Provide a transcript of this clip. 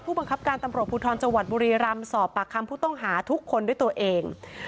บังคับการตำรวจภูทรจังหวัดบุรีรำสอบปากคำผู้ต้องหาทุกคนด้วยตัวเอง